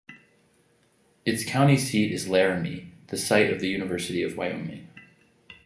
Its county seat is Laramie, the site of the University of Wyoming.